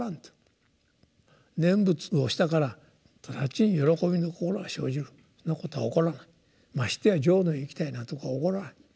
念仏をしたから直ちに喜びの心が生じるそんなことは起こらないましてや浄土に行きたいなんていうことは起こらない